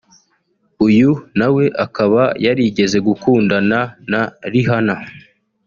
uyu nawe akaba yarigeze gukundana na Rihanna